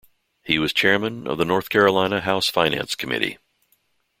He was chairman of the North Carolina House Finance Committee.